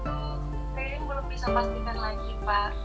soal itu training belum bisa pastikan lagi pak